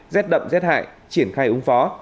rét đậm rét hại triển khai ứng phó